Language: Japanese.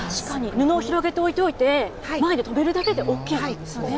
布を広げて置いておいて、前で留めるだけでＯＫなんですね。